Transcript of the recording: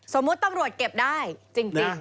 สมมุติตำรวจเก็บได้จริง